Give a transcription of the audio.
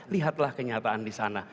lihatlah kenyataan di sana